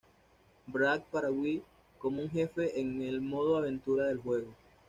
Brawl" para "Wii" como un jefe en el modo Aventura del juego.